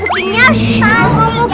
bu kenapa sih kalian tuh